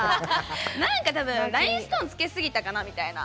何か多分ラインストーンつけすぎたかなみたいな。